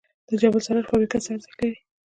د جبل السراج فابریکه څه ارزښت لري؟